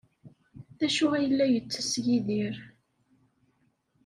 D acu ay la yettess Yidir?